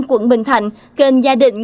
quận bình thạnh kênh gia định